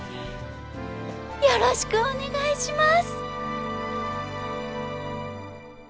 よろしくお願いします！